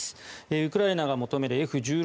ウクライナが求めるＦ１６